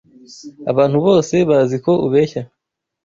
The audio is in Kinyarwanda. Abantu bose bazi ko ubeshya.